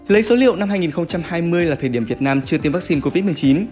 lấy số liệu năm hai nghìn hai mươi là thời điểm việt nam chưa tiêm vaccine covid một mươi chín